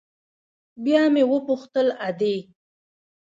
بيا مې وپوښتل ادې.